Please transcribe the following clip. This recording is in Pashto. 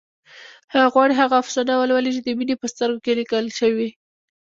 هغه غواړي هغه افسانه ولولي چې د مينې په سترګو کې لیکل شوې